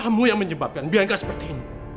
kamu yang menyebabkan biar nggak seperti ini